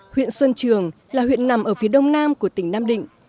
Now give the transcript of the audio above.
huyện xuân trường là huyện nằm ở phía đông nam của tỉnh nam định